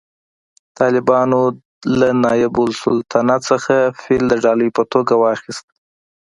طالبانو له نایب السلطنه څخه فیل د ډالۍ په توګه واخیست